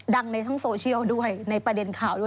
ดังในทั้งโซเชียลด้วยในประเด็นข่าวด้วย